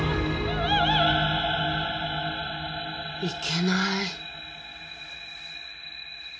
いけない。